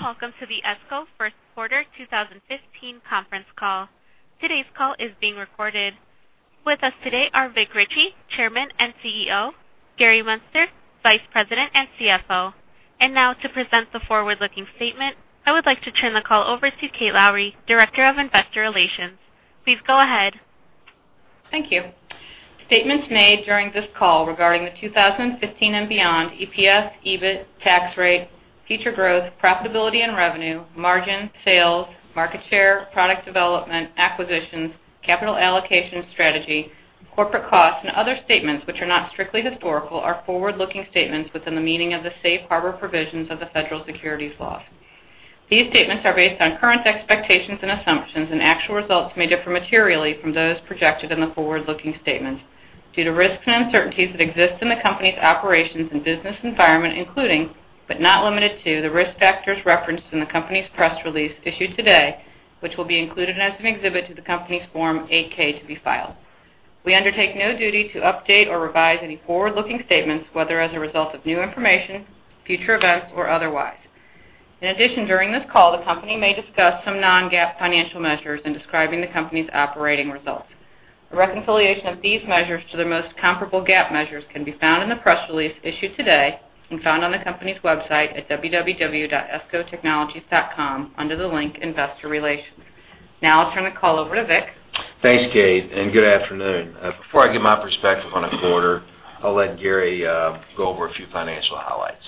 Good day, and welcome to the ESCO First Quarter 2015 conference call. Today's call is being recorded. With us today are Vic Richey, Chairman and CEO, Gary Muenster, Vice President and CFO. And now, to present the forward-looking statement, I would like to turn the call over to Kate Lowrey, Director of Investor Relations. Please go ahead. Thank you. Statements made during this call regarding the 2015 and beyond EPS, EBIT, tax rate, future growth, profitability and revenue, margin, sales, market share, product development, acquisitions, capital allocation strategy, corporate costs, and other statements which are not strictly historical, are forward-looking statements within the meaning of the safe harbor provisions of the Federal Securities Laws. These statements are based on current expectations and assumptions, and actual results may differ materially from those projected in the forward-looking statements due to risks and uncertainties that exist in the company's operations and business environment, including, but not limited to, the risk factors referenced in the company's press release issued today, which will be included as an exhibit to the company's Form 8-K to be filed. We undertake no duty to update or revise any forward-looking statements, whether as a result of new information, future events, or otherwise. In addition, during this call, the company may discuss some non-GAAP financial measures in describing the company's operating results. A reconciliation of these measures to their most comparable GAAP measures can be found in the press release issued today and found on the company's website at www.escotechnologies.com, under the link Investor Relations. Now I'll turn the call over to Vic. Thanks, Kate, and good afternoon. Before I give my perspective on the quarter, I'll let Gary go over a few financial highlights.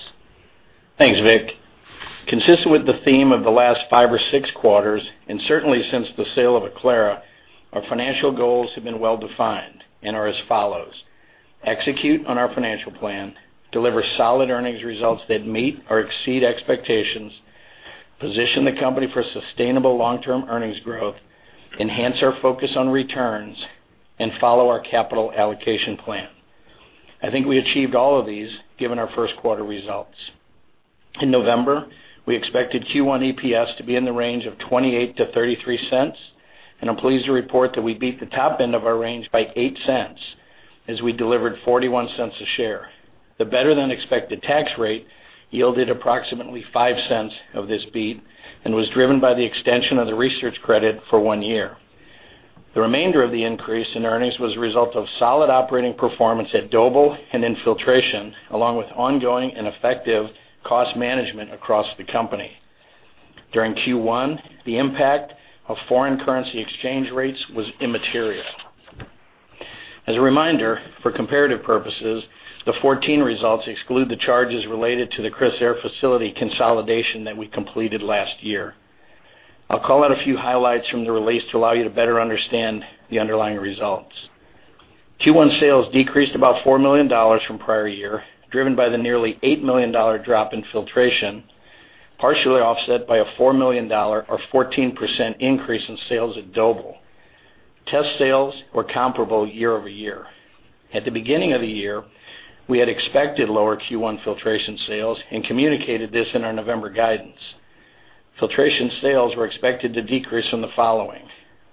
Thanks, Vic. Consistent with the theme of the last five or six quarters, and certainly since the sale of Aclara, our financial goals have been well-defined and are as follows: execute on our financial plan, deliver solid earnings results that meet or exceed expectations, position the company for sustainable long-term earnings growth, enhance our focus on returns, and follow our capital allocation plan. I think we achieved all of these, given our first quarter results. In November, we expected Q1 EPS to be in the range of $0.28-$0.33, and I'm pleased to report that we beat the top end of our range by $0.08, as we delivered $0.41 a share. The better-than-expected tax rate yielded approximately $0.05 of this beat and was driven by the extension of the research credit for one year. The remainder of the increase in earnings was a result of solid operating performance at Doble and in Filtration, along with ongoing and effective cost management across the company. During Q1, the impact of foreign currency exchange rates was immaterial. As a reminder, for comparative purposes, the 2014 results exclude the charges related to the Crissair facility consolidation that we completed last year. I'll call out a few highlights from the release to allow you to better understand the underlying results. Q1 sales decreased about $4 million from prior year, driven by the nearly $8 million drop in Filtration, partially offset by a $4 million or 14% increase in sales at Doble. Test sales were comparable YoY. At the beginning of the year, we had expected lower Q1 Filtration sales and communicated this in our November guidance. Filtration sales were expected to decrease from the following: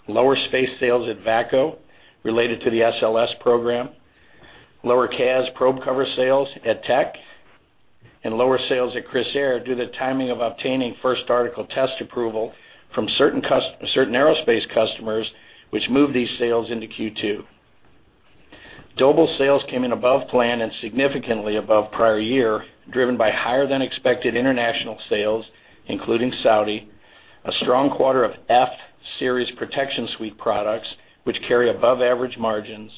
lower space sales at VACCO, related to the SLS program, lower CAS probe cover sales at TEK, and lower sales at Crissair, due to the timing of obtaining first article test approval from certain aerospace customers, which moved these sales into Q2. Doble sales came in above plan and significantly above prior year, driven by higher-than-expected international sales, including Saudi, a strong quarter of F-series protection suite products, which carry above-average margins,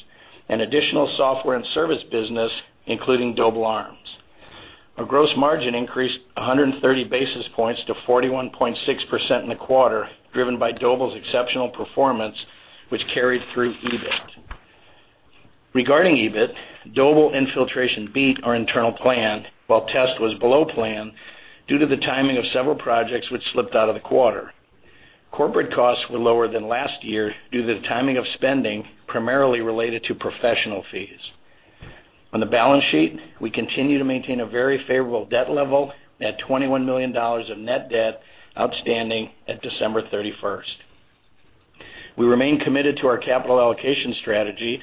and additional software and service business, including Doble ARMS. Our gross margin increased 100 basis points to 41.6% in the quarter, driven by Doble's exceptional performance, which carried through EBIT. Regarding EBIT, Doble and Filtration beat our internal plan, while Test was below plan due to the timing of several projects which slipped out of the quarter. Corporate costs were lower than last year due to the timing of spending, primarily related to professional fees. On the balance sheet, we continue to maintain a very favorable debt level at $21 million of net debt outstanding at December 31. We remain committed to our capital allocation strategy,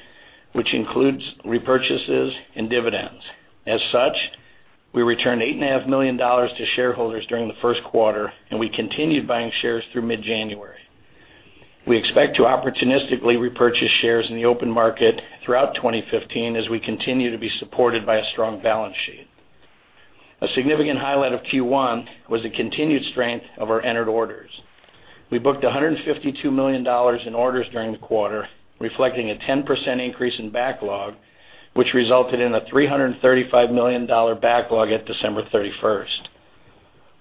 which includes repurchases and dividends. As such, we returned $8.5 million to shareholders during the first quarter, and we continued buying shares through mid-January. We expect to opportunistically repurchase shares in the open market throughout 2015, as we continue to be supported by a strong balance sheet. A significant highlight of Q1 was the continued strength of our entered orders. We booked $152 million in orders during the quarter, reflecting a 10% increase in backlog, which resulted in a $335 million backlog at December 31st.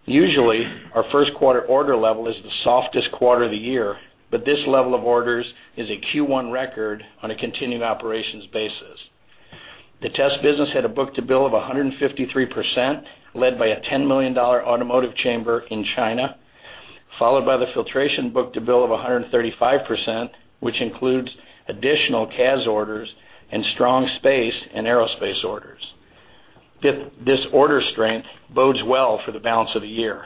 Usually, our first quarter order level is the softest quarter of the year, but this level of orders is a Q1 record on a continuing operations basis. The Test business had a book-to-bill of 153%, led by a $10 million automotive chamber in China, followed by the Filtration book-to-bill of 135%, which includes additional CAS orders and strong space and aerospace orders. This order strength bodes well for the balance of the year.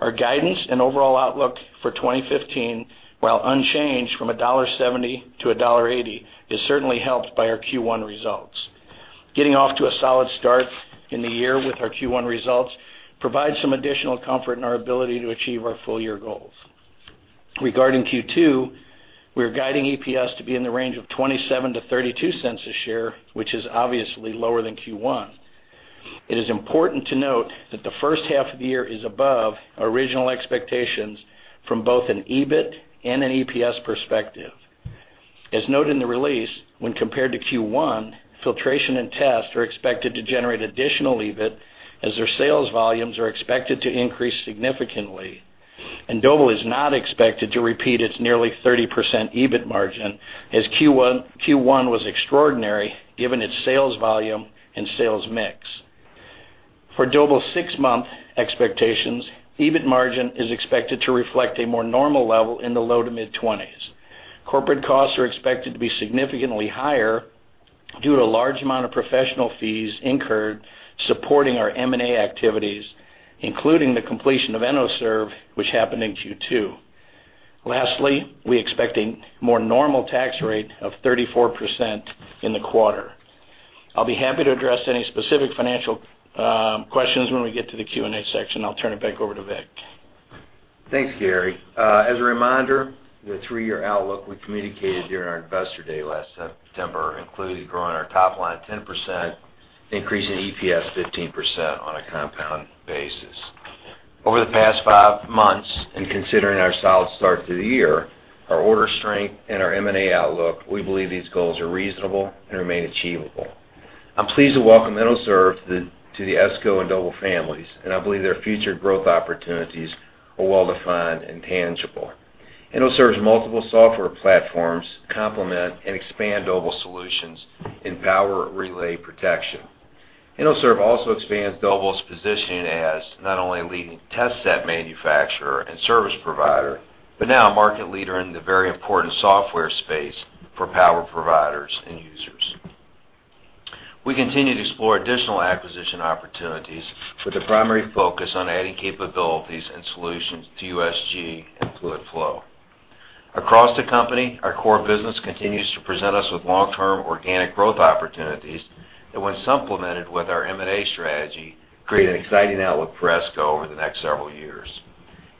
Our guidance and overall outlook for 2015, while unchanged from $1.70-$1.80, is certainly helped by our Q1 results. Getting off to a solid start in the year with our Q1 results provides some additional comfort in our ability to achieve our full year goals. Regarding Q2, we are guiding EPS to be in the range of $0.27-$0.32 a share, which is obviously lower than Q1. It is important to note that the first half of the year is above our original expectations from both an EBIT and an EPS perspective. As noted in the release, when compared to Q1, filtration and test are expected to generate additional EBIT as their sales volumes are expected to increase significantly, and Doble is not expected to repeat its nearly 30% EBIT margin, as Q1 was extraordinary given its sales volume and sales mix. For Doble's six-month expectations, EBIT margin is expected to reflect a more normal level in the low to mid-twenties. Corporate costs are expected to be significantly higher due to a large amount of professional fees incurred supporting our M&A activities, including the completion of Enoserv, which happened in Q2. Lastly, we expect a more normal tax rate of 34% in the quarter. I'll be happy to address any specific financial questions when we get to the Q&A section. I'll turn it back over to Vic. Thanks, Gary. As a reminder, the three-year outlook we communicated during our Investor Day last September, including growing our top line 10%, increasing EPS 15% on a compound basis. Over the past five months, and considering our solid start to the year, our order strength and our M&A outlook, we believe these goals are reasonable and remain achievable. I'm pleased to welcome Enoserv to the ESCO and Doble families, and I believe their future growth opportunities are well-defined and tangible. Enoserv's multiple software platforms complement and expand Doble solutions in power relay protection. Enoserv also expands Doble's positioning as not only a leading test set manufacturer and service provider, but now a market leader in the very important software space for power providers and users. We continue to explore additional acquisition opportunities with a primary focus on adding capabilities and solutions to USG and fluid flow. Across the company, our core business continues to present us with long-term organic growth opportunities that, when supplemented with our M&A strategy, create an exciting outlook for ESCO over the next several years.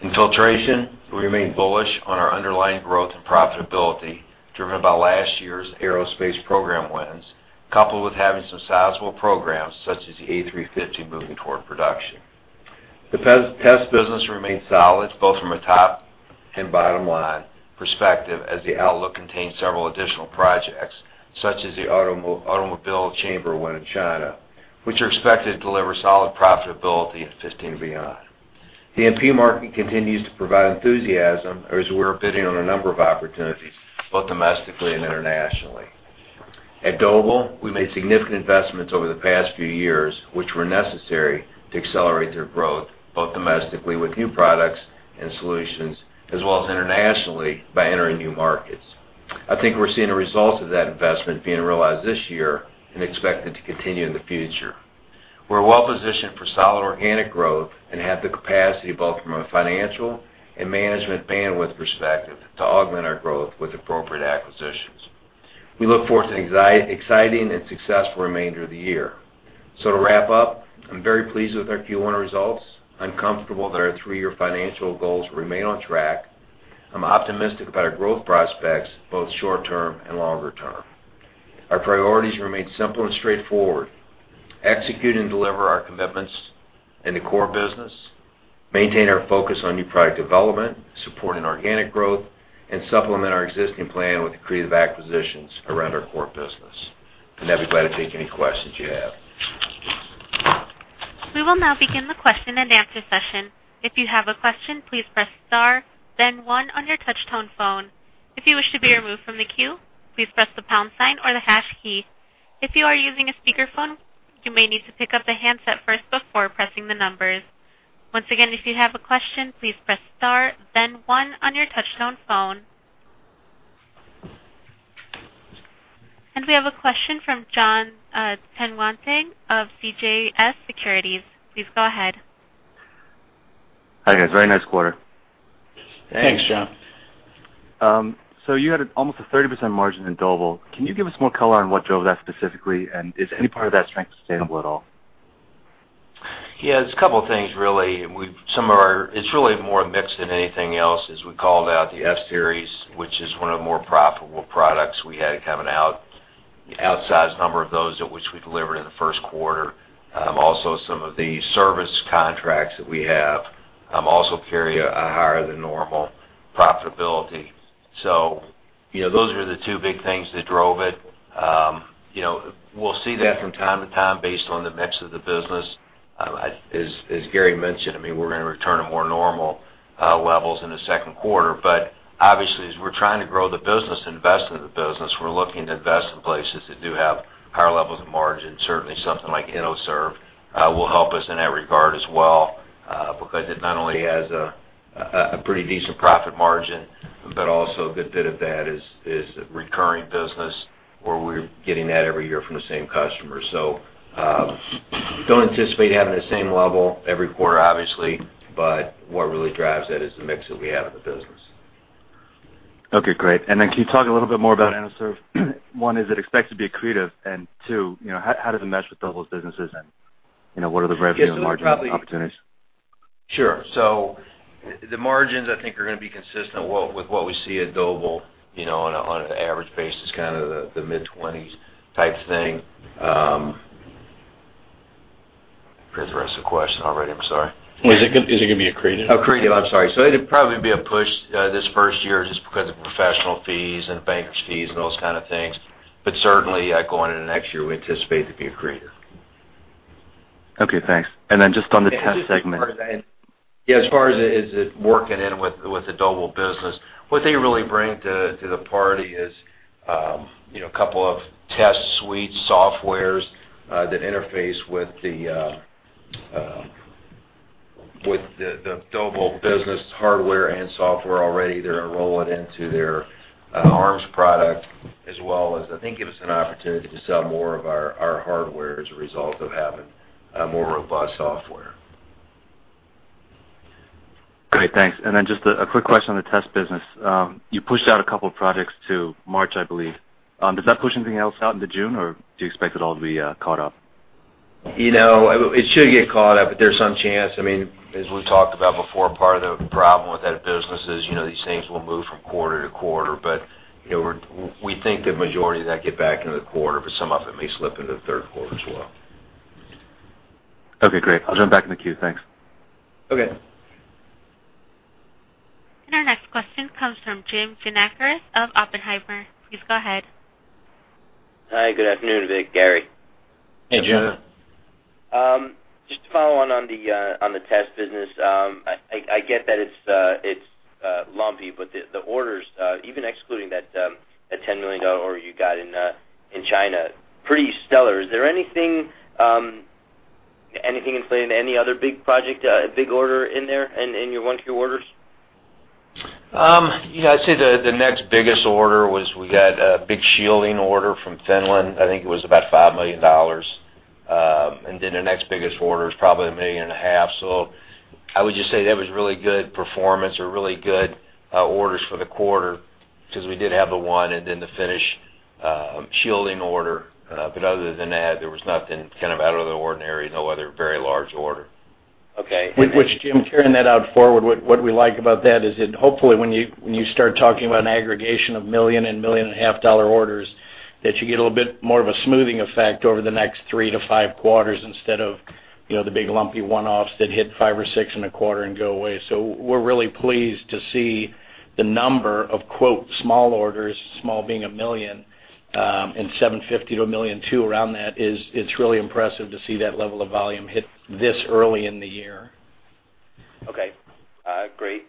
In filtration, we remain bullish on our underlying growth and profitability, driven by last year's aerospace program wins, coupled with having some sizable programs, such as the A350, moving toward production. The test business remains solid, both from a top and bottom-line perspective, as the outlook contains several additional projects, such as the automobile chamber win in China, which are expected to deliver solid profitability in 2015 and beyond. The EMP market continues to provide enthusiasm as we're bidding on a number of opportunities, both domestically and internationally. At Doble, we made significant investments over the past few years, which were necessary to accelerate their growth, both domestically with new products and solutions, as well as internationally by entering new markets. I think we're seeing the results of that investment being realized this year and expected to continue in the future. We're well positioned for solid organic growth and have the capacity, both from a financial and management bandwidth perspective, to augment our growth with appropriate acquisitions. We look forward to an exciting and successful remainder of the year. To wrap up, I'm very pleased with our Q1 results. I'm comfortable that our three-year financial goals remain on track. I'm optimistic about our growth prospects, both short term and longer term. Our priorities remain simple and straightforward: execute and deliver our commitments in the core business, maintain our focus on new product development, supporting organic growth, and supplement our existing plan with accretive acquisitions around our core business. I'd be glad to take any questions you have. We will now begin the question-and-answer session. If you have a question, please press star then one on your touchtone phone. If you wish to be removed from the queue, please press the pound sign or the hash key. If you are using a speakerphone, you may need to pick up the handset first before pressing the numbers. Once again, if you have a question, please press star, then one on your touchtone phone. And we have a question from Jon Tanwanteng of CJS Securities. Please go ahead. Hi, guys. Very nice quarter. Thanks, John. Thanks. You had almost a 30% margin in Doble. Can you give us more color on what drove that specifically, and is any part of that strength sustainable at all? Yeah, it's a couple of things, really. It's really more a mix than anything else, as we called out the F-series, which is one of the more profitable products we had coming out. The outsize number of those of which we delivered in the first quarter. Also, some of the service contracts that we have also carry a higher-than-normal profitability. So you know, those are the two big things that drove it. You know, we'll see that from time to time based on the mix of the business. As Gary mentioned, I mean, we're going to return to more normal levels in the second quarter. But obviously, as we're trying to grow the business and invest in the business, we're looking to invest in places that do have higher levels of margin. Certainly, something like Enoserv will help us in that regard as well, because it not only has a pretty decent profit margin, but also a good bit of that is recurring business where we're getting that every year from the same customer. So, don't anticipate having the same level every quarter, obviously, but what really drives that is the mix that we have in the business. Okay, great. Then can you talk a little bit more about Enoserv? One, is it expected to be accretive, and two, you know, how does it mesh with Doble's businesses, and, you know, what are the revenue margin opportunities? Sure. So the margins, I think, are gonna be consistent with what, with what we see at Doble, you know, on a, on an average basis, kind of the, the mid-20s type thing. Forgot the rest of the question already. I'm sorry. Is it gonna be accretive? Oh, accretive, I'm sorry. So it'd probably be a push, this first year just because of professional fees and bankers' fees and those kind of things. But certainly, going into next year, we anticipate it to be accretive. Okay, thanks. Then just on the test segment- Yeah, as far as it is working in with the Doble business, what they really bring to the party is, you know, a couple of test suite Softwares that interface with the Doble business hardware and software already. They're enrolling into their ARMS product as well as I think it gives us an opportunity to sell more of our hardware as a result of having a more robust software. Great, thanks. And then just a quick question on the test business. You pushed out a couple products to March, I believe. Does that push anything else out into June, or do you expect it all to be caught up? You know, it should get caught up, but there's some chance. I mean, as we talked about before, part of the problem with that business is, you know, these things will move from quarter to quarter, but, you know, we think the majority of that get back into the quarter, but some of it may slip into the third quarter as well. Okay, great. I'll jump back in the queue. Thanks. Okay. Our next question comes from Jim Giannakouros of Oppenheimer. Please go ahead. Hi, good afternoon, Vic, Gary. Hey, Jim. Just to follow on the test business. I get that it's lumpy, but the orders, even excluding that $10 million order you got in China, pretty stellar. Is there anything in play in any other big project, big order in there, in your one, two orders? Yeah, I'd say the next biggest order was we got a big shielding order from Finland. I think it was about $5 million. And then the next biggest order is probably $1.5 million. So I would just say that was really good performance or really good orders for the quarter because we did have the one and then the Finnish shielding order. But other than that, there was nothing kind of out of the ordinary, no other very large order. Okay. Which, Jim, carrying that out forward, what we like about that is that hopefully, when you start talking about an aggregation of $1 million and $1.5 million dollar orders, that you get a little bit more of a smoothing effect over the next three to five quarters instead of, you know, the big lumpy one-offs that hit five or six in a quarter and go away. So we're really pleased to see the number of, quote, small orders, small being $1 million and $750,000 to $1.2 million around that. It's really impressive to see that level of volume hit this early in the year. Okay. Great.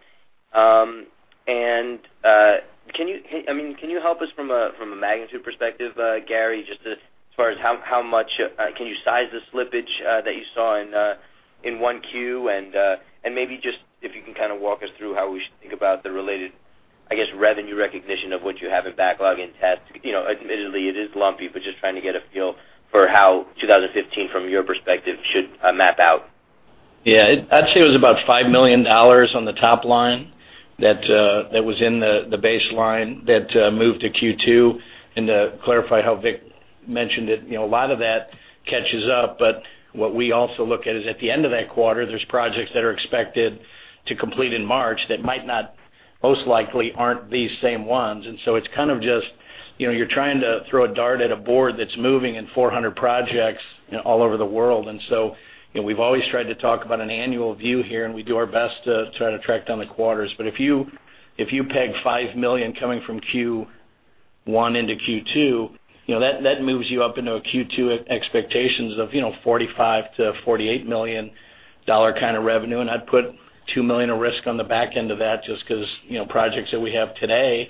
And, can you—I mean, can you help us from a, from a magnitude perspective, Gary, just as far as how, how much, can you size the slippage, that you saw in, in one Q? And, maybe just if you can kind of walk us through how we should think about the related, I guess, revenue recognition of what you have in backlog in test. You know, admittedly, it is lumpy, but just trying to get a feel for how 2015, from your perspective, should, map out. Yeah. I'd say it was about $5 million on the top line that, that was in the, the baseline that moved to Q2. And to clarify how Vic mentioned it, you know, a lot of that catches up, but what we also look at is, at the end of that quarter, there's projects that are expected to complete in March that might not, most likely, aren't these same ones. And so it's kind of just, you know, you're trying to throw a dart at a board that's moving in 400 projects all over the world. And so, you know, we've always tried to talk about an annual view here, and we do our best to try to track down the quarters. But if you, if you peg $5 million coming from Q1 into Q2, you know, that, that moves you up into a Q2 expectations of, you know, $45 million-$48 million kind of revenue. And I'd put $2 million of risk on the back end of that just 'cause, you know, projects that we have today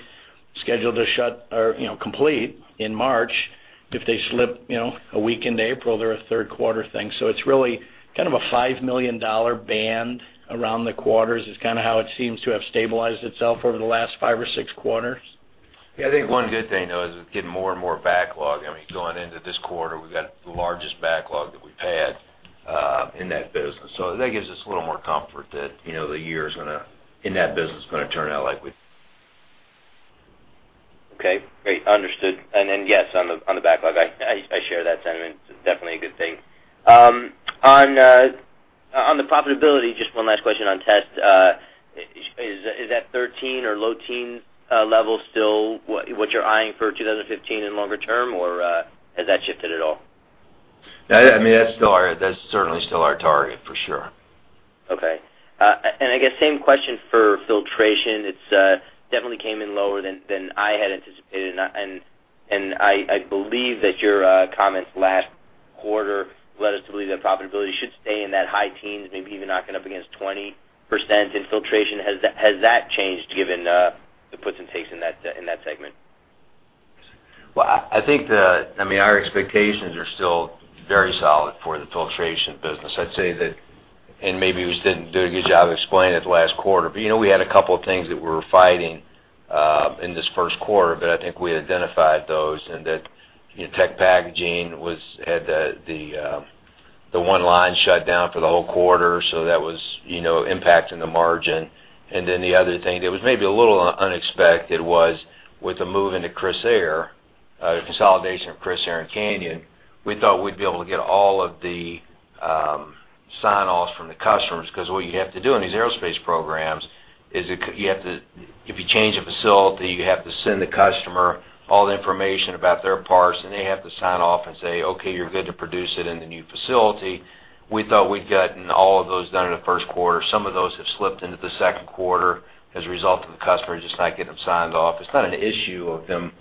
scheduled to shut or, you know, complete in March, if they slip, you know, a week into April, they're a third quarter thing. So it's really kind of a $5 million band around the quarters is kind of how it seems to have stabilized itself over the last five or six quarters. Yeah, I think one good thing, though, is it's getting more and more backlog. I mean, going into this quarter, we've got the largest backlog that we've had in that business. So that gives us a little more comfort that, you know, the year is gonna, in that business, is gonna turn out like we. Okay, great. Understood. And then, yes, on the backlog, I share that sentiment. Definitely a good thing. On the profitability, just one last question on test. Is that 13 or low teen level still what you're eyeing for 2015 and longer term, or has that shifted at all? I mean, that's still our— that's certainly still our target, for sure. Okay. And I guess same question for filtration. It's definitely came in lower than I had anticipated. And I believe that your comments last quarter led us to believe that profitability should stay in that high teens, maybe even knocking up against 20% in filtration. Has that changed given the puts and takes in that segment? ...Well, I think, I mean, our expectations are still very solid for the filtration business. I'd say that, and maybe we just didn't do a good job of explaining it the last quarter. But, you know, we had a couple of things that we were fighting in this first quarter, but I think we identified those, and that, you know, TEK Packaging had the one line shut down for the whole quarter, so that was, you know, impacting the margin. And then the other thing that was maybe a little unexpected was with the move into Crissair, the consolidation of Crissair and Canyon, we thought we'd be able to get all of the sign-offs from the customers. 'Cause what you have to do in these aerospace programs is if you change a facility, you have to send the customer all the information about their parts, and they have to sign off and say, "Okay, you're good to produce it in the new facility." We thought we'd gotten all of those done in the first quarter. Some of those have slipped into the second quarter as a result of the customer just not getting them signed off. It's not an issue of them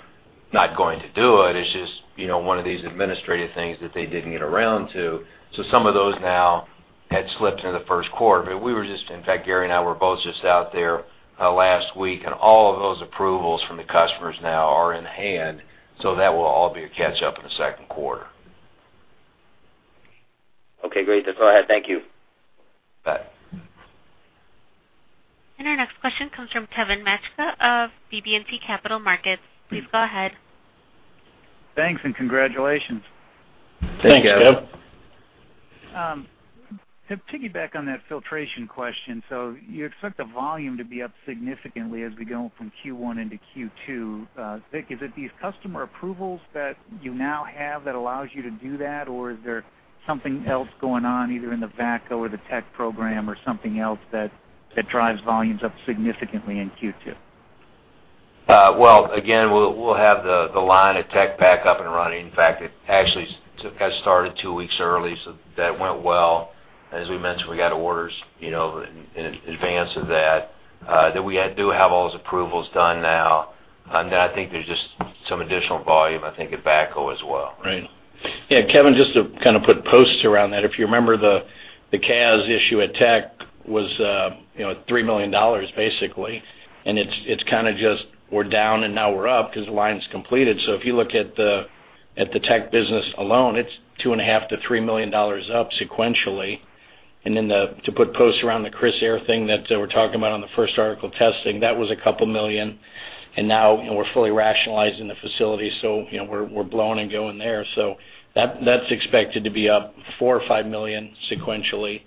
not going to do it; it's just, you know, one of these administrative things that they didn't get around to. So some of those now had slipped into the first quarter. We were just, in fact, Gary and I were both just out there last week, and all of those approvals from the customers now are in hand, so that will all be a catch-up in the second quarter. Okay, great. That's all I had. Thank you. Bye. Our next question comes from Kevin Maczka of BB&T Capital Markets. Please go ahead. Thanks, and congratulations. Thanks, Kevin. Thanks. To piggyback on that filtration question, so you expect the volume to be up significantly as we go from Q1 into Q2. Vic, is it these customer approvals that you now have that allows you to do that? Or is there something else going on, either in the VACCO or the TEK program or something else that drives volumes up significantly in Q2? Well, again, we'll have the line at TEK back up and running. In fact, it actually got started two weeks early, so that went well. As we mentioned, we got orders, you know, in advance of that, that we do have all those approvals done now. And then I think there's just some additional volume, I think, at VACCO as well. Right. Yeah, Kevin, just to kind of put posts around that, if you remember the CAS issue at TEK was, you know, $3 million, basically. And it's kind of just we're down, and now we're up because the line's completed. So if you look at the TEK business alone, it's $2.5 million-$3 million up sequentially. And then to put posts around the Crissair thing that we're talking about on the first article testing, that was $2 million, and now, you know, we're fully rationalizing the facility, so, you know, we're blowing and going there. So that's expected to be up $4 million-$5 million sequentially.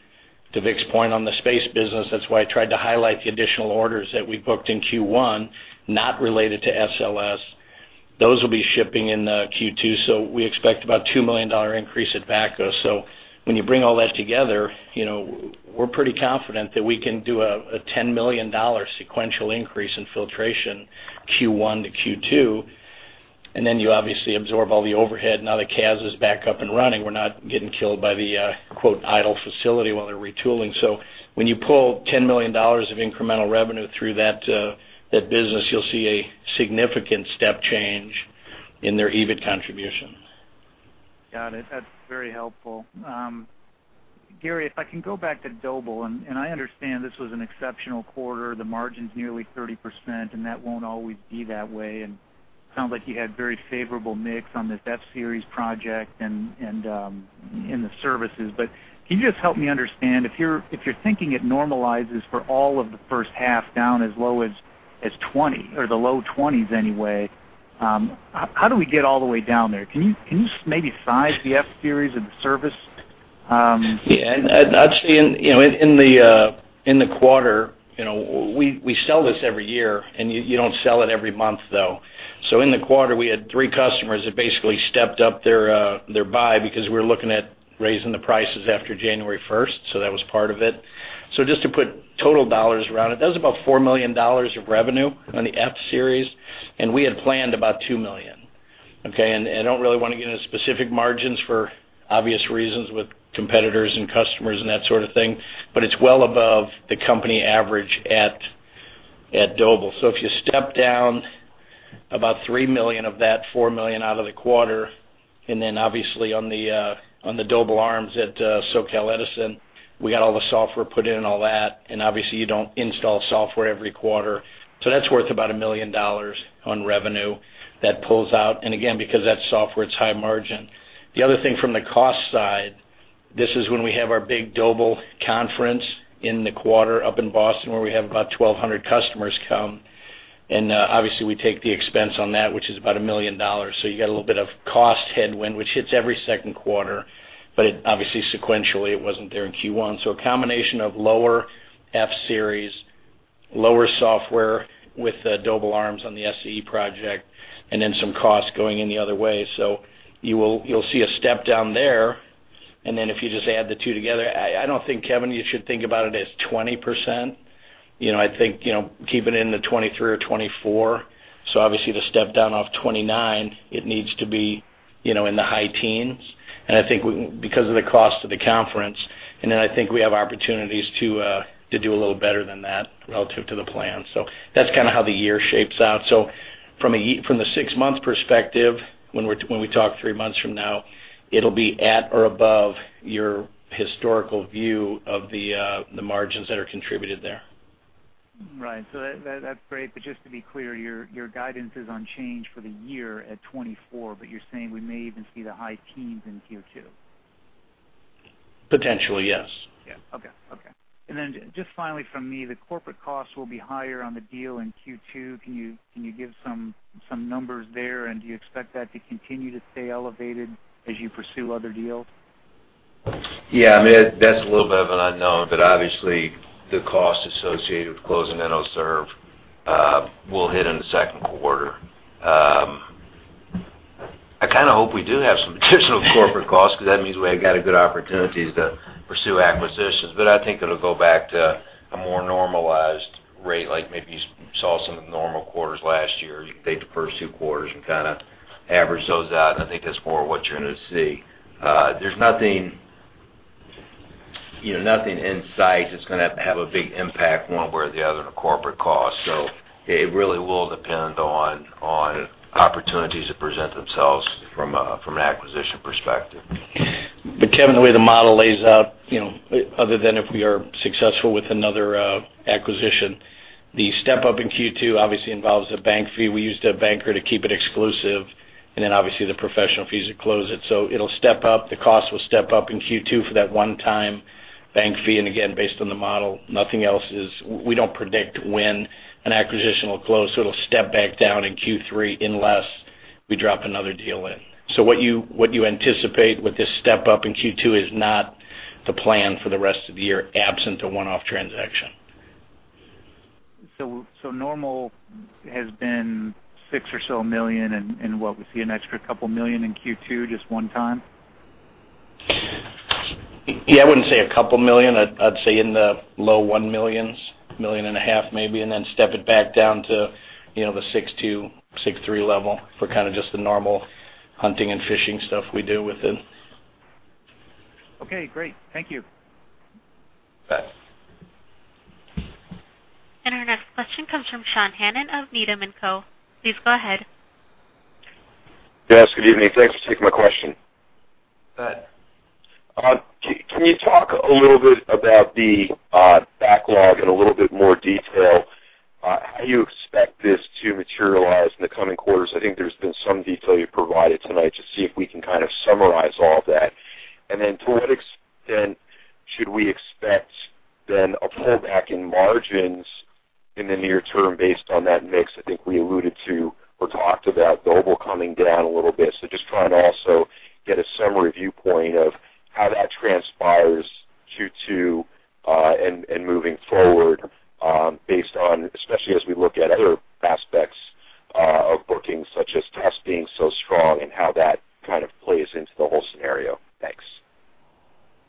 To Vic's point on the space business, that's why I tried to highlight the additional orders that we booked in Q1, not related to SLS. Those will be shipping in Q2, so we expect about $2 million increase at VACCO. So when you bring all that together, you know, we're pretty confident that we can do a $10 million sequential increase in filtration, Q1-Q2. And then you obviously absorb all the overhead. Now that CAS is back up and running, we're not getting killed by the quote, "idle facility" while they're retooling. So when you pull $10 million of incremental revenue through that business, you'll see a significant step change in their EBIT contribution. Got it. That's very helpful. Gary, if I can go back to Doble, and I understand this was an exceptional quarter, the margin's nearly 30%, and that won't always be that way, and sounds like you had very favorable mix on this F-series project and in the services. But can you just help me understand, if you're thinking it normalizes for all of the first half down as low as 20, or the low 20s anyway, how do we get all the way down there? Can you maybe size the F-series and the service, Yeah, and I'd say, you know, in the quarter, you know, we sell this every year, and you don't sell it every month, though. So in the quarter, we had three customers that basically stepped up their buy because we're looking at raising the prices after January first. So that was part of it. So just to put total dollars around it, that was about $4 million of revenue on the F-series, and we had planned about $2 million, okay? And I don't really want to get into specific margins for obvious reasons, with competitors and customers and that sort of thing, but it's well above the company average at Doble. So if you step down about $3 million of that $4 million out of the quarter, and then obviously on the Doble ARMS at SoCal Edison, we got all the software put in and all that, and obviously you don't install software every quarter. So that's worth about $1 million on revenue that pulls out. And again, because that's software, it's high margin. The other thing from the cost side, this is when we have our big Doble conference in the quarter up in Boston, where we have about 1,200 customers come, and obviously we take the expense on that, which is about $1 million. So you got a little bit of cost headwind, which hits every second quarter, but it obviously sequentially, it wasn't there in Q1. So a combination of lower F-series, lower software with the Doble ARMS on the SCE project, and then some costs going in the other way. So you will, you'll see a step down there, and then if you just add the two together. I don't think, Kevin, you should think about it as 20%. You know, I think, you know, keep it in the 23 or 24. So obviously, to step down off 29, it needs to be, you know, in the high teens. And I think we, because of the cost of the conference, and then I think we have opportunities to to do a little better than that relative to the plan. So that's kind of how the year shapes out. So from the six-month perspective, when we're, when we talk three months from now, it'll be at or above your historical view of the, the margins that are contributed there. ... Right. So that, that's great. But just to be clear, your, your guidance is on change for the year at 24, but you're saying we may even see the high teens in Q2? Potentially, yes. Yeah. Okay. Okay. And then just finally from me, the corporate costs will be higher on the deal in Q2. Can you give some numbers there? And do you expect that to continue to stay elevated as you pursue other deals? Yeah, I mean, that's a little bit of an unknown, but obviously, the cost associated with closing Enoserv will hit in the second quarter. I kind of hope we do have some additional corporate costs, because that means we have got good opportunities to pursue acquisitions. But I think it'll go back to a more normalized rate, like maybe you saw some of the normal quarters last year. Take the first two quarters and kind of average those out, I think that's more what you're going to see. There's nothing, you know, nothing in sight that's going to have a big impact one way or the other in a corporate cost. So it really will depend on opportunities that present themselves from an acquisition perspective. But Kevin, the way the model lays out, you know, other than if we are successful with another acquisition, the step up in Q2 obviously involves a bank fee. We used a banker to keep it exclusive, and then obviously, the professional fees to close it. So it'll step up, the cost will step up in Q2 for that one time bank fee, and again, based on the model, nothing else is... We don't predict when an acquisition will close, so it'll step back down in Q3 unless we drop another deal in. So what you, what you anticipate with this step up in Q2 is not the plan for the rest of the year, absent a one-off transaction. So normal has been $6 million or so, and what, we see an extra $2 million in Q2, just one time? Yeah, I wouldn't say $2 million. I'd, I'd say in the low $1 millions, $1.5 million maybe, and then step it back down to, you know, the $6.2-$6.3 level for kind of just the normal hunting and fishing stuff we do with it. Okay, great. Thank you. Bye. Our next question comes from Sean Hannan of Needham and Co. Please go ahead. Yes, good evening. Thanks for taking my question. Go ahead. Can you talk a little bit about the backlog in a little bit more detail, how you expect this to materialize in the coming quarters? I think there's been some detail you provided tonight to see if we can kind of summarize all of that. And then to what extent should we expect then a pullback in margins in the near term based on that mix? I think we alluded to or talked about Doble coming down a little bit. So just trying to also get a summary viewpoint of how that transpires Q2, and moving forward, based on, especially as we look at other aspects of bookings, such as test being so strong and how that kind of plays into the whole scenario. Thanks.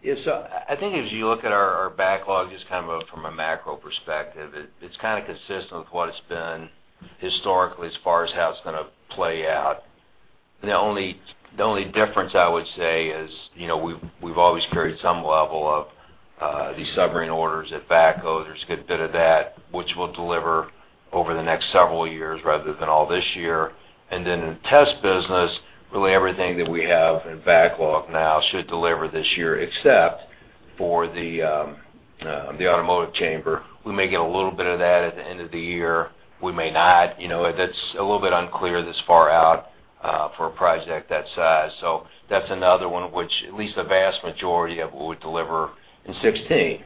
Yes, so I think as you look at our backlog, just kind of from a macro perspective, it's kind of consistent with what it's been historically as far as how it's going to play out. The only difference I would say is, you know, we've always carried some level of the submarine orders that are back-loaded. There's a good bit of that which we'll deliver over the next several years rather than all this year. And then in the test business, really everything that we have in backlog now should deliver this year, except for the automotive chamber. We may get a little bit of that at the end of the year, we may not. You know, that's a little bit unclear this far out for a project that size. So that's another one of which at least the vast majority of what we deliver in 2016.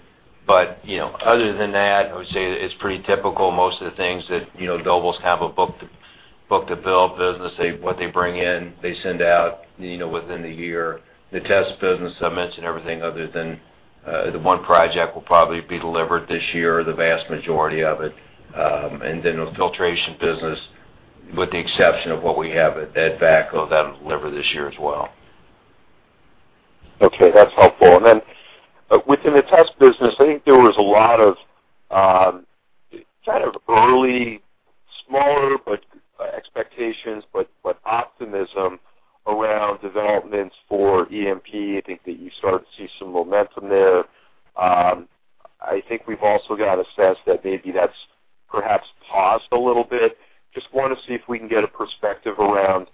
But, you know, other than that, I would say it's pretty typical. Most of the things that, you know, Doble's have a book-to-bill business. They, what they bring in, they send out, you know, within the year. The test business, I mentioned everything other than the one project will probably be delivered this year, the vast majority of it. And then the filtration business, with the exception of what we have at that backlog, that'll deliver this year as well. Okay, that's helpful. And then within the test business, I think there was a lot of kind of early, smaller, but expectations, but optimism around developments for EMP. I think that you start to see some momentum there. I think we've also got a sense that maybe that's perhaps paused a little bit. Just want to see if we can get a perspective around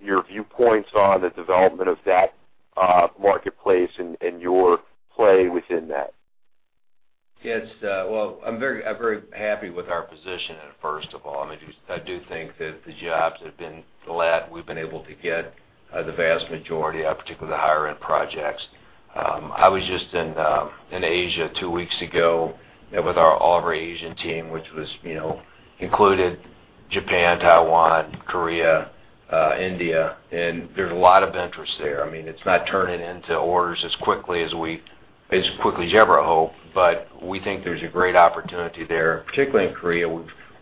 your viewpoints on the development of that marketplace and your play within that. Yes, well, I'm very happy with our position in it, first of all. I mean, I do think that the jobs that we've been able to get the vast majority of, particularly the higher-end projects. I was just in Asia two weeks ago with all of our Asian team, which, you know, included Japan, Taiwan, Korea, India, and there's a lot of interest there. I mean, it's not turning into orders as quickly as you ever hope, but we think there's a great opportunity there, particularly in Korea.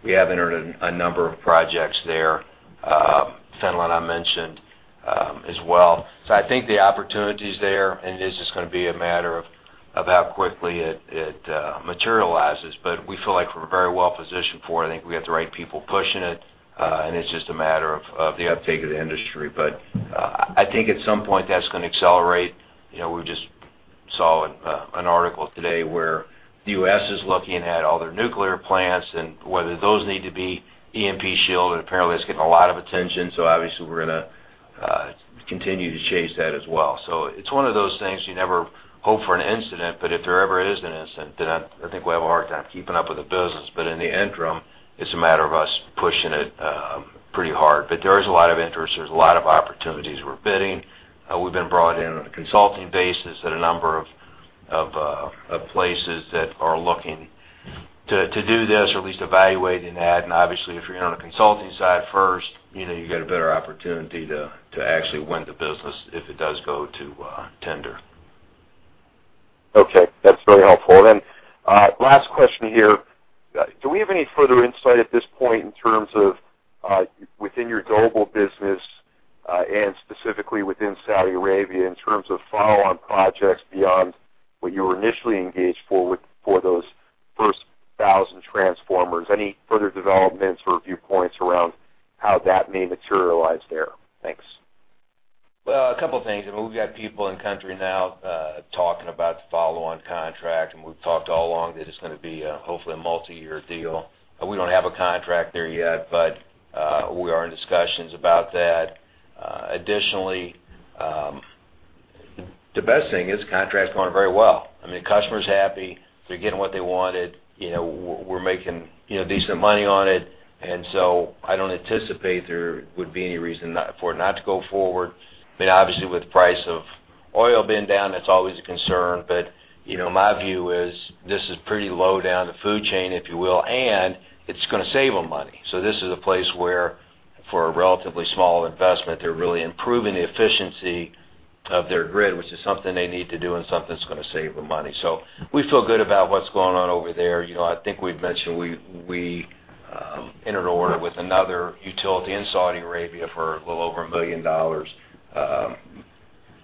We have entered a number of projects there. Finland, I mentioned, as well. So I think the opportunity is there, and it's just going to be a matter of how quickly it materializes. But we feel like we're very well positioned for it. I think we have the right people pushing it, and it's just a matter of the uptake of the industry. But I think at some point that's going to accelerate. You know, we just saw an article today where the U.S. is looking at all their nuclear plants and whether those need to be EMP shielded. Apparently, it's getting a lot of attention, so obviously we're gonna continue to chase that as well. So it's one of those things, you never hope for an incident, but if there ever is an incident, then I think we have a hard time keeping up with the business. But in the interim, it's a matter of us pushing it pretty hard. But there is a lot of interest. There's a lot of opportunities. We're bidding. We've been brought in on a consulting basis at a number of places that are looking to do this, or at least evaluating that. And obviously, if you're on the consulting side first, you know, you've got a better opportunity to actually win the business if it does go to tender. Okay, that's very helpful. Then, last question here. Do we have any further insight at this point in terms of, within your global business, and specifically within Saudi Arabia, in terms of follow-on projects beyond what you were initially engaged for, for those first 1,000 transformers? Any further developments or viewpoints around how that may materialize there? Thanks. Well, a couple of things. I mean, we've got people in country now, talking about the follow-on contract, and we've talked all along that it's gonna be, hopefully, a multi-year deal. But we don't have a contract there yet, but we are in discussions about that. Additionally, the best thing is the contract's going very well. I mean, the customer's happy. They're getting what they wanted. You know, we're making, you know, decent money on it, and so I don't anticipate there would be any reason not for it not to go forward. I mean, obviously, with the price of oil being down, that's always a concern, but, you know, my view is this is pretty low down the food chain, if you will, and it's gonna save them money. So this is a place where, for a relatively small investment, they're really improving the efficiency of their grid, which is something they need to do and something that's gonna save them money. So we feel good about what's going on over there. You know, I think we've mentioned we entered an order with another utility in Saudi Arabia for a little over $1 million.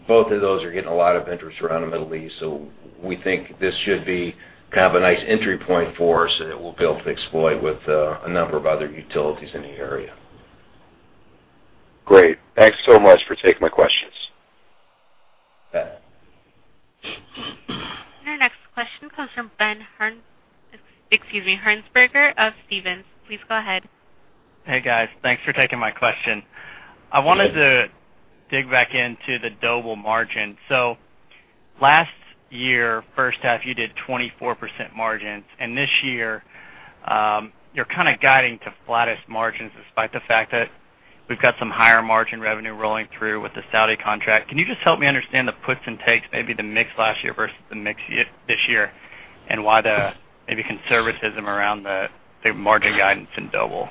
Both of those are getting a lot of interest around the Middle East, so we think this should be kind of a nice entry point for us, and that we'll be able to exploit with a number of other utilities in the area. Great. Thanks so much for taking my questions. Okay. Our next question comes from Ben, excuse me, Hearnsberger of Stephens. Please go ahead. Hey, guys. Thanks for taking my question. Yeah. I wanted to dig back into the Doble margin. So last year, first half, you did 24% margins, and this year, you're kind of guiding to flattest margins despite the fact that we've got some higher margin revenue rolling through with the Saudi contract. Can you just help me understand the puts and takes, maybe the mix last year versus the mix this year, and why the maybe conservatism around the margin guidance in Doble?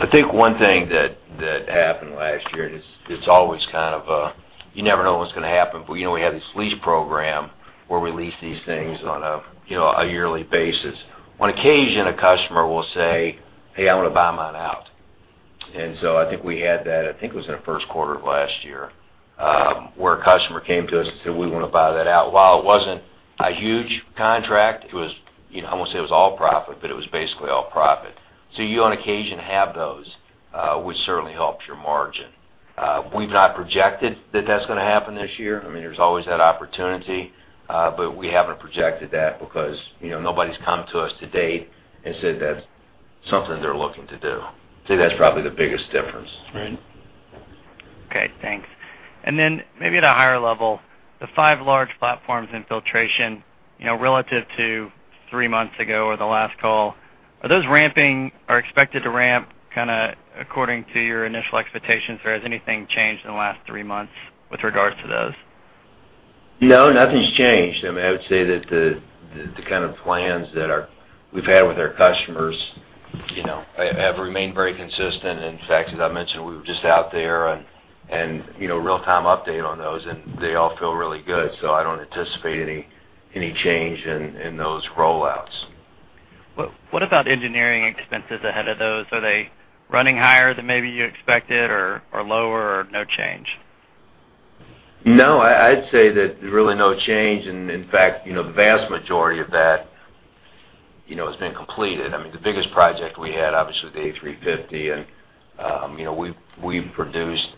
I think one thing that happened last year, and it's always kind of a, you never know what's gonna happen, but, you know, we have this lease program where we lease these things on a, you know, a yearly basis. On occasion, a customer will say, "Hey, I want to buy mine out." And so I think we had that, I think it was in the first quarter of last year, where a customer came to us and said, "We want to buy that out." While it wasn't a huge contract, it was, you know, I won't say it was all profit, but it was basically all profit. So you, on occasion, have those, which certainly helps your margin. We've not projected that that's gonna happen this year. I mean, there's always that opportunity, but we haven't projected that because, you know, nobody's come to us to date and said that's something they're looking to do. So that's probably the biggest difference. Great. Thanks. Then maybe at a higher level, the five large platforms in filtration, you know, relative to three months ago or the last call, are those ramping or expected to ramp kind of according to your initial expectations, or has anything changed in the last three months with regards to those? No, nothing's changed. I mean, I would say that the kind of plans that we've had with our customers, you know, have remained very consistent. In fact, as I mentioned, we were just out there and, you know, real-time update on those, and they all feel really good, so I don't anticipate any change in those rollouts. What about engineering expenses ahead of those? Are they running higher than maybe you expected, or lower, or no change? No, I'd say that really no change, and in fact, you know, the vast majority of that, you know, has been completed. I mean, the biggest project we had, obviously, was the A350, and, you know, we've produced,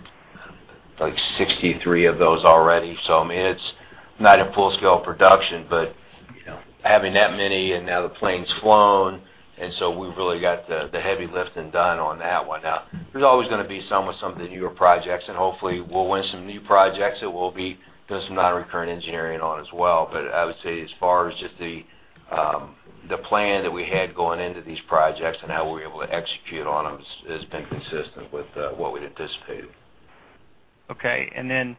like, 63 of those already. So, I mean, it's not in full-scale production, but, you know, having that many and now the plane's flown, and so we've really got the heavy lifting done on that one. Now, there's always gonna be some with some of the newer projects, and hopefully, we'll win some new projects that we'll be doing some non-recurrent engineering on as well. But I would say as far as just the plan that we had going into these projects and how we were able to execute on them is, has been consistent with what we'd anticipated. Okay. And then,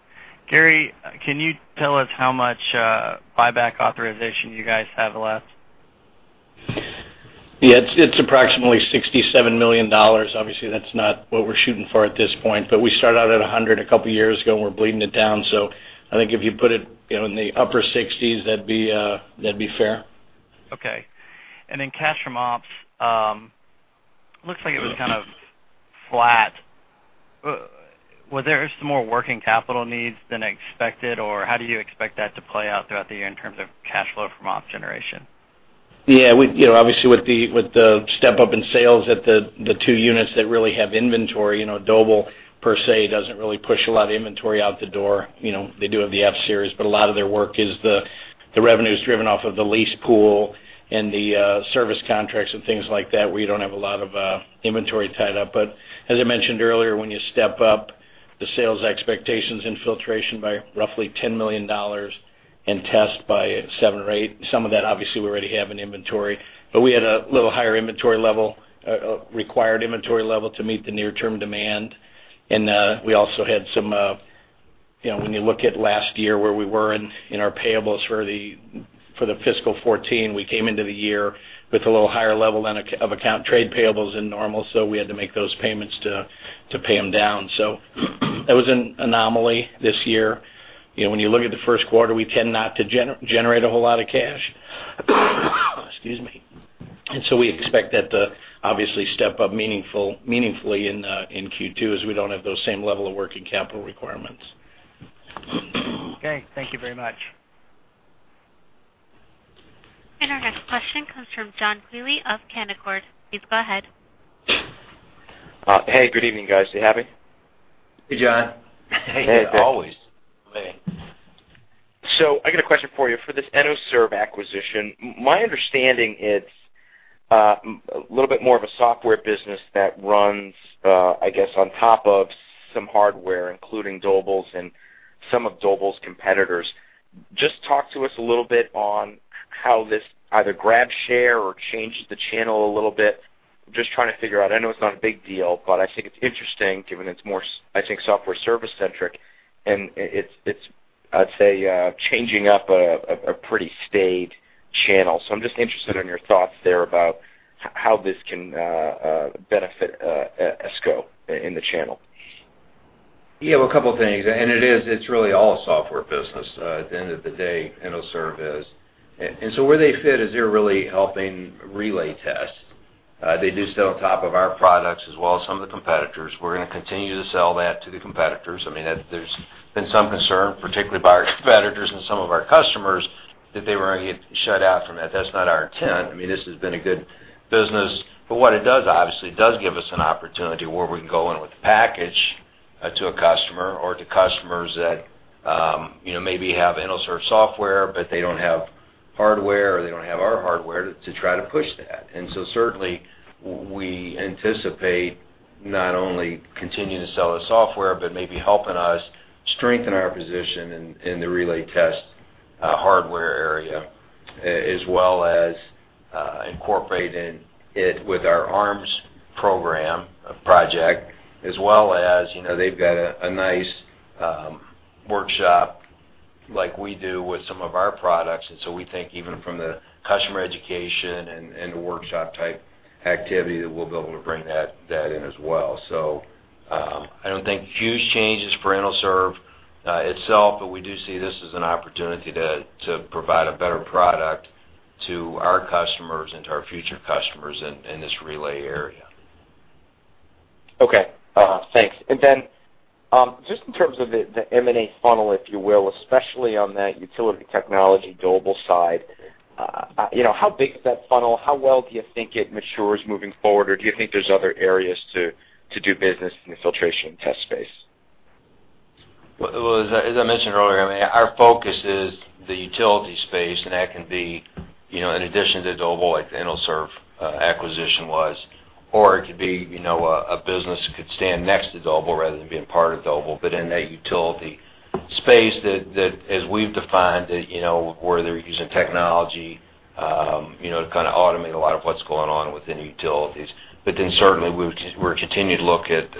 Gary, can you tell us how much buyback authorization you guys have left? Yeah, it's, it's approximately $67 million. Obviously, that's not what we're shooting for at this point, but we started out at 100 a couple of years ago, and we're bleeding it down. So I think if you put it, you know, in the upper 60s, that'd be fair. Okay. And then cash from ops looks like it was kind of flat. Was there some more working capital needs than expected, or how do you expect that to play out throughout the year in terms of cash flow from op generation? Yeah, we, you know, obviously with the, with the step up in sales at the, the two units that really have inventory, you know, Doble, per se, doesn't really push a lot of inventory out the door. You know, they do have the F-series, but a lot of their work is the, the revenue is driven off of the lease pool and the, service contracts and things like that, where you don't have a lot of, inventory tied up. But as I mentioned earlier, when you step up the sales expectations in filtration by roughly $10 million-... and test by seven or eight. Some of that, obviously, we already have in inventory, but we had a little higher inventory level, required inventory level to meet the near-term demand. And, we also had some, you know, when you look at last year, where we were in, in our payables for the, for the fiscal 2014, we came into the year with a little higher level than ac- of account trade payables than normal, so we had to make those payments to pay them down. So that was an anomaly this year. You know, when you look at the first quarter, we tend not to generate a whole lot of cash. Excuse me. And so we expect that to obviously step up meaningfully in Q2, as we don't have those same level of working capital requirements. Okay, thank you very much. And our next question comes from John Quealy of Canaccord. Please go ahead. Hey, good evening, guys. Is he happy? Hey, John. Hey, always. So I got a question for you. For this Enoserv acquisition, my understanding, it's a little bit more of a software business that runs, I guess, on top of some hardware, including Doble's and some of Doble's competitors. Just talk to us a little bit on how this either grabs share or changes the channel a little bit. Just trying to figure out. I know it's not a big deal, but I think it's interesting, given it's more, I think, software service-centric, and it's, I'd say, changing up a pretty staid channel. So I'm just interested on your thoughts there about how this can benefit ESCO in the channel. Yeah, well, a couple things. It is, it's really all a software business at the end of the day, Enoserv is. So where they fit is they're really helping relay tests. They do sell on top of our products as well as some of the competitors. We're gonna continue to sell that to the competitors. I mean, there's been some concern, particularly by our competitors and some of our customers, that they were gonna get shut out from that. That's not our intent. I mean, this has been a good business. But what it does, obviously, it does give us an opportunity where we can go in with a package to a customer or to customers that, you know, maybe have Enoserv Software, but they don't have hardware, or they don't have our hardware to try to push that. And so certainly, we anticipate not only continuing to sell the software, but maybe helping us strengthen our position in the relay test hardware area, as well as incorporating it with our arms program project, as well as, you know, they've got a nice workshop like we do with some of our products. And so we think even from the customer education and the workshop-type activity, that we'll be able to bring that in as well. So, I don't think huge changes for Enoserv itself, but we do see this as an opportunity to provide a better product to our customers and to our future customers in this relay area. Okay, thanks. And then, just in terms of the, the M&A funnel, if you will, especially on that utility technology, Doble side, you know, how big is that funnel? How well do you think it matures moving forward, or do you think there's other areas to, to do business in the filtration and test space? Well, as I, as I mentioned earlier, I mean, our focus is the utility space, and that can be, you know, in addition to Doble, like the Enoserv acquisition was, or it could be, you know, a, a business that could stand next to Doble rather than being part of Doble. But in that utility space, that as we've defined it, you know, where they're using technology, you know, to kind of automate a lot of what's going on within utilities. But then certainly, we're, we're continuing to look at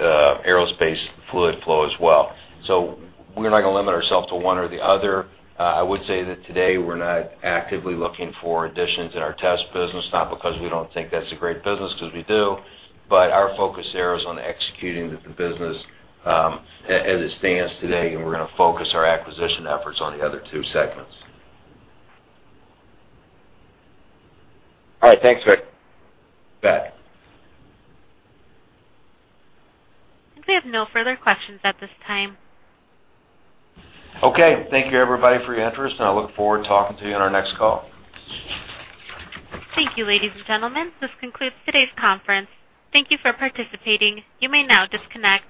aerospace fluid flow as well. So we're not gonna limit ourselves to one or the other. I would say that today we're not actively looking for additions in our test business, not because we don't think that's a great business, 'cause we do, but our focus there is on executing the business, as it stands today, and we're gonna focus our acquisition efforts on the other two segments. All right. Thanks, Vic. You bet. We have no further questions at this time. Okay. Thank you, everybody, for your interest, and I look forward to talking to you on our next call. Thank you, ladies and gentlemen. This concludes today's conference. Thank you for participating. You may now disconnect.